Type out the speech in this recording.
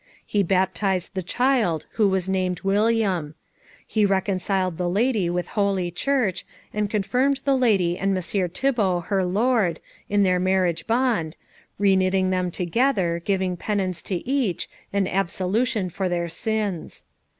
He baptised the child, who was named William. He reconciled the lady with Holy Church, and confirmed the lady and Messire Thibault her lord, in their marriage bond, reknitting them together, giving penance to each, and absolution for their sins.